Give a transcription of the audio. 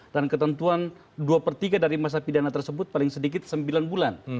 dan ketentuan dua per tiga dari masa pidana tersebut paling sedikit sembilan bulan